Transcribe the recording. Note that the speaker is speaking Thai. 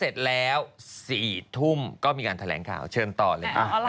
กี่ทุ่มก็มีการแถลงข่าวเชิญต่อเลย